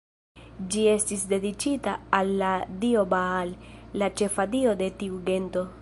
Ĝi estis dediĉita al la dio Baal, la ĉefa dio de tiu gento.